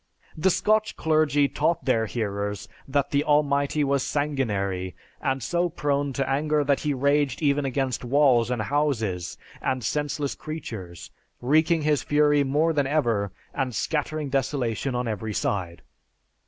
"The Scotch clergy taught their hearers that the Almighty was sanguinary, and so prone to anger that he raged even against walls and houses, and senseless creatures, wreaking his fury more than ever, and scattering desolation on every side.